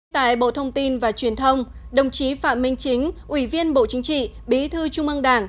tại bộ thông tin và truyền thông đồng chí phạm minh chính ủy viên bộ chính trị bí thư trung ương đảng